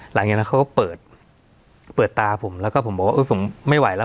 หลังจากนั้นเขาก็เปิดเปิดตาผมแล้วก็ผมบอกว่าผมไม่ไหวแล้ว